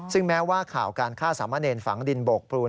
ซึ่งแม้ว่าข่าวการฆ่าสามเณรฝังดินโบกปูน